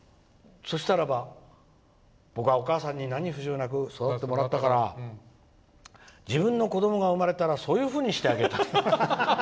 そしたらば「僕はお母さんに何不自由なく育ててもらったから自分の子どもが生まれたらそういうふうにしてあげたい。